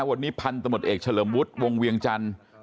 วันนี้พันธมตเอกเฉลิมวุฒิวงเวียงจันทร์